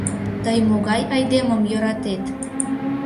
— Тый могай айдемым йӧратет?